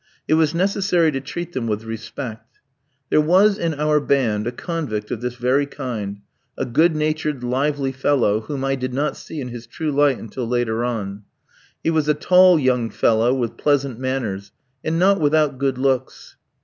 It was necessary to treat them with respect. There was in our band a convict of this very kind, a good natured, lively fellow, whom I did not see in his true light until later on. He was a tall young fellow, with pleasant manners, and not without good looks.